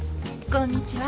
こんにちは。